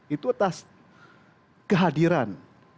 itu atas kehadiran